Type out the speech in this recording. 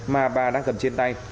mà bà đang cầm trên tay